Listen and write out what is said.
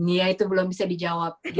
iya itu belum bisa dijawab